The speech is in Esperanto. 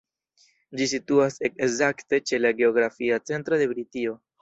Ĝi situas ekzakte ĉe la geografia centro de Britio.